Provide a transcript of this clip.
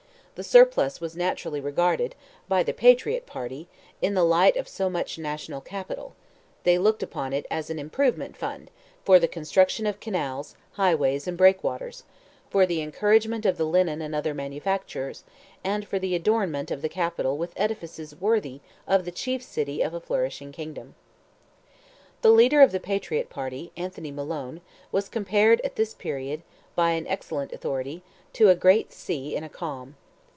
The surplus was naturally regarded, by the Patriot party, in the light of so much national capital; they looked upon it as an improvement fund, for the construction of canals, highways, and breakwaters, for the encouragement of the linen and other manufactures, and for the adornment of the capital with edifices worthy of the chief city of a flourishing kingdom. The leader of the Patriot party, Anthony Malone, was compared at this period, by an excellent authority, to "a great sea in a calm."